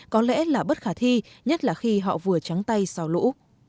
có lẽ là bất khả thi nhất là khi họ vừa trắng tay sau lũ